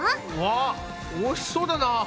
わぁおいしそうだなぁ。